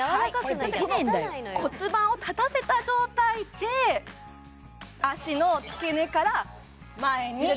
骨盤を立たせた状態で脚の付け根から前にい